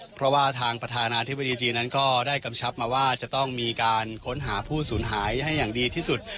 เพราะว่าทางประธานาธิบดีจีนนั้นก็ได้กำชับมาว่าจะต้องมีการค้นหาผู้สูญหายให้อย่างดีที่สุด